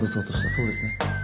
そうですね？